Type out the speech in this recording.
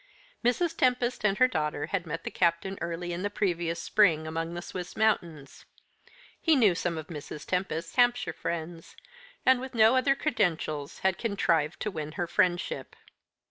Mrs. Tempest and her daughter had met the Captain early in the previous spring among the Swiss mountains. He knew some of Mrs. Tempest's Hampshire friends, and with no other credentials had contrived to win her friendship.